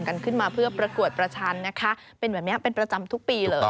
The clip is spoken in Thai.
กันขึ้นมาเพื่อประกวดประชันนะคะเป็นแบบนี้เป็นประจำทุกปีเลย